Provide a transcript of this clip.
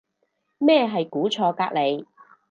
咩係估錯隔離